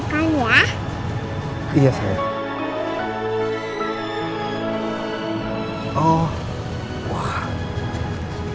kamu harus mencari